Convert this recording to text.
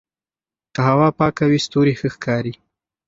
که هوا پاکه وي ستوري ښه ښکاري.